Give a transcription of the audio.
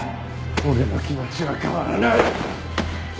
俺の気持ちは変わらない。